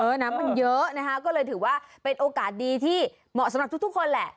น้ำมันเยอะนะคะก็เลยถือว่าเป็นโอกาสดีที่เหมาะสำหรับทุกคนแหละ